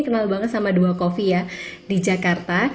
kenal banget sama dua coffee ya di jakarta